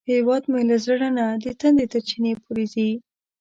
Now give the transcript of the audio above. هیواد مې له زړه نه د تندي تر چینې پورې ځي